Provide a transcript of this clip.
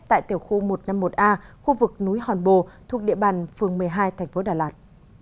tại tiểu khu một trăm năm mươi một a khu vực núi hòn bồ thuộc địa bàn phường một mươi hai thành phố đà lạt